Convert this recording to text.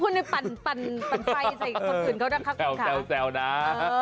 มึงจะปั่นไฟใส่คนอื่นเข้าดับขับอยู่ด้วย